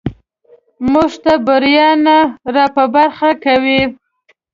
موږ ته بریا نه راپه برخه کوي.